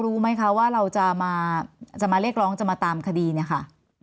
รู้ไหมคะว่าเราจะมาเรียกร้องจะมาตามคดีเนี่ยค่ะ